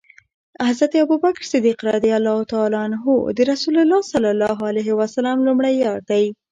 حضرت ابوبکر ص د رسول الله ص لمړی یار دی